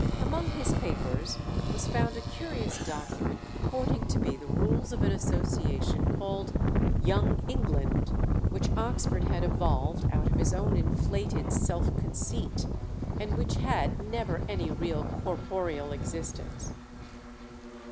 Among his papers was found a curious document, purporting to be the rules of an association called "Young England," which Oxford had evolved out of his own inflated self conceit, and which had never any real corporeal existence.